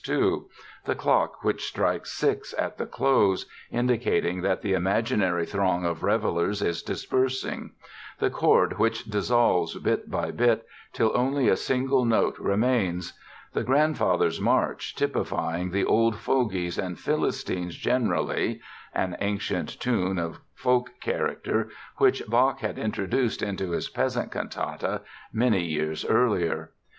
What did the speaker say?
2—the clock which strikes six at the close, indicating that the imaginary throng of revelers is dispersing; the chord which dissolves, bit by bit, till only a single note remains; the "Grandfathers' March", typifying the old fogies and Philistines generally (an ancient tune of folk character, which Bach had introduced into his "Peasant Cantata" many years earlier).